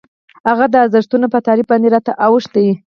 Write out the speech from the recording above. هغه د ارزښتونو په تعریف باندې راته اوښتي.